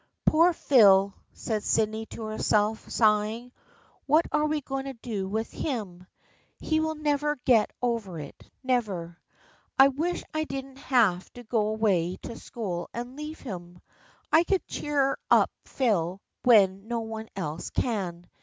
" Poor Phil," said Sydney to herself, sighing. " What are we going to do with him ? He will THE FRIENDSHIP OF ANNE 19 never get over it, never. I wish I didn't have to go away to school and leave them. I can cheer up Phil when no one else can.